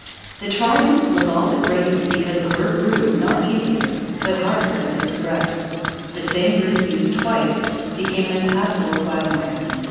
The triumph was all the greater because the work grew, not easier, but harder as it progressed. The same route used twice became an impassable quagmire.